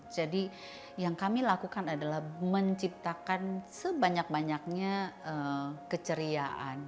jadi yang kami lakukan adalah menciptakan sebanyak banyaknya keceriaan